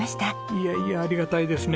いやいやありがたいですね。